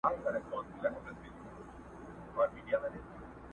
نو د دواړو خواوو تول به برابر وي!!